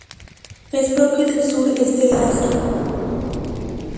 Es propia del sur este de Asia.